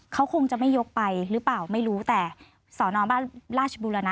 เขาคงจะไม่ยกไปหรือเปล่าไม่รู้แต่สอนอราชบุรณะ